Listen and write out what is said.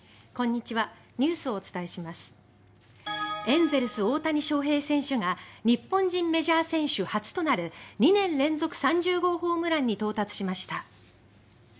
エンゼルス・大谷翔平選手が日本人メジャー選手初となる２年連続３０号ホームランに到達しました！